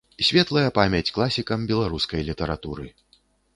Светлая памяць класікам беларускай літаратуры.